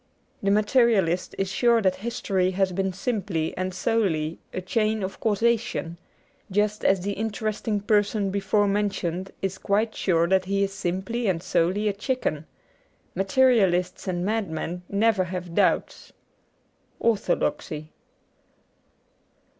The Materialist is sure that history has been simply and solely a chain of causation, just as the interest ing person before mentioned is quite sure that he is simply and solely a chicken. Materialists and madmen never have doubts. ^Orthodoxy.'